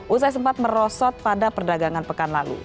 usai sempat merosot pada perdagangan pekan lalu